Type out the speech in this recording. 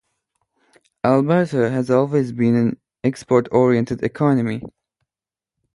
Alberta has always been an export-oriented economy.